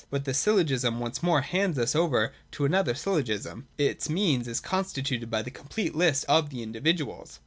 But this syllogism once more hands us over to another syllogism. Its mean is constituted by the complete list of the individuals.